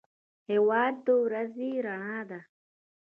هېواد د ورځې رڼا ده.